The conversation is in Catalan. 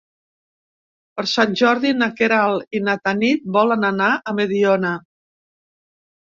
Per Sant Jordi na Queralt i na Tanit volen anar a Mediona.